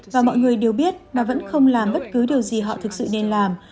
và mọi người đều biết mà vẫn không làm bất cứ điều gì họ thực sự nên làm